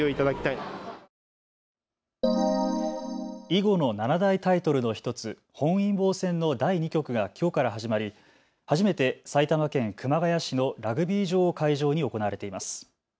囲碁の七大タイトルの１つ本因坊戦の第２局がきょうから始まり、初めて埼玉県熊谷市のラグビー場を会場に行われています。